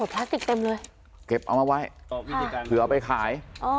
พลาสติกเต็มเลยเก็บเอามาไว้เผื่อเอาไปขาย